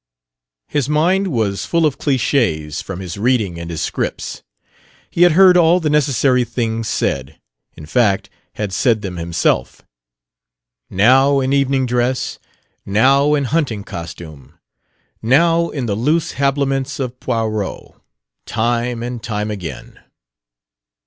His mind was full of cliches from his reading and his "scripts." He had heard all the necessary things said: in fact, had said them himself now in evening dress, now in hunting costume, now in the loose habiliments of Pierrot time and time again.